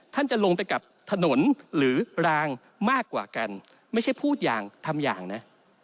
ท่านจะลงไปกับถนนหรือรางมากกว่ากันไม่ใช่พูดอย่างทำอย่างนะ